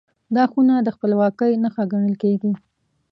دا خونه د خپلواکۍ نښه ګڼل کېږي.